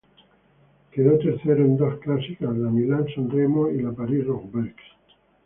Quedó tercero en dos clásicas, la Milán-San Remo y la París-Roubaix.